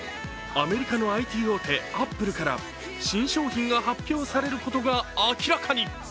アメリカのＩＴ大手、アップルから新商品が発表されることが明らかに。